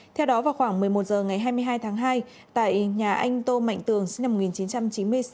theo đó vào khoảng một mươi một h ngày hai mươi hai tháng hai tại nhà anh tô mạnh tường sinh năm một nghìn chín trăm chín mươi sáu